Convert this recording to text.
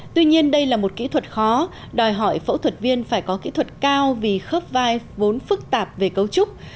tuy nhiên đây là một kỹ thuật khó đòi hỏi phẫu thuật viên phải có kỹ thuật cao vì khớp vai vốn phức tạp về cấu trúc